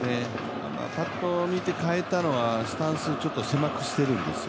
ぱっと見て変えたのはスタンスをちょっと狭くしているんですよ